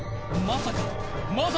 まさか！？